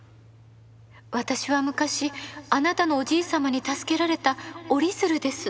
私は昔あなたのおじい様に助けられた折り鶴です。